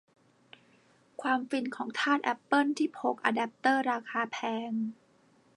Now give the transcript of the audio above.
ความฟินของทาสแอปเปิลที่พกอแดปเตอร์ราคาแพง